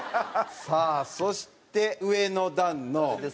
さあそして上の段の。